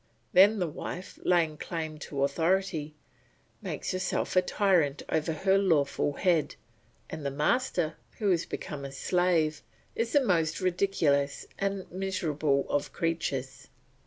Then the wife, laying claim to authority, makes herself a tyrant over her lawful head; and the master, who has become a slave, is the most ridiculous and miserable of creatures.